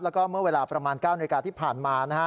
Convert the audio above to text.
แล้วก็เมื่อเวลาประมาณ๙นาฬิกาที่ผ่านมานะฮะ